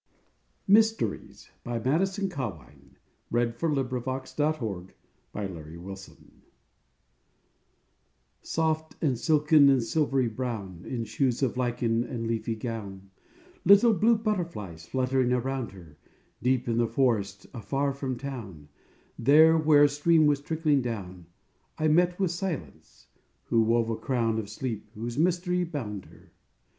ed The love that his life had rejected ... And this was his fame! MYSTERIES Soft and silken and silvery brown, In shoes of lichen and leafy gown, Little blue butterflies fluttering around her, Deep in the forest, afar from town, There, where a stream was trickling down, I met with Silence, who wove a crown Of sleep whose mystery bound her.